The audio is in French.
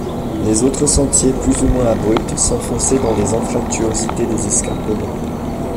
Les autres sentiers, plus ou moins abrupts, s’enfonçaient dans les anfractuosités des escarpements.